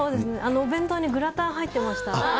お弁当にグラタン入ってました。